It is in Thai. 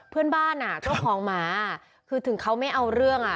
เพื่อนบ้านเจ้าของหมาถึงเขาไม่เอาเรื่อง